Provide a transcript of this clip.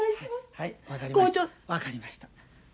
はい分かりました。